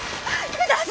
ください！